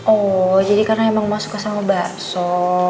oh jadi karena emang mau suka sama bakso